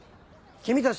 君たち